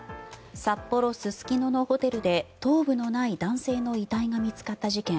札幌・すすきののホテルで頭部のない男性の遺体が見つかった事件。